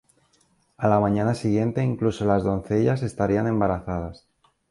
A la mañana siguiente incluso las doncellas estarían embarazadas.